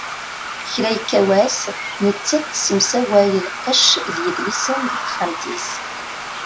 Kra ikka wass, nettat tessemsaway lqecc d yedlisen di texxamt-is.